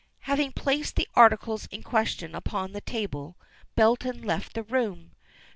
Having placed the articles in question upon the table Belton left the room.